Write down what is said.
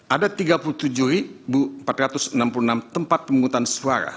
ada tiga puluh tujuh empat ratus enam puluh enam tempat pemungutan suara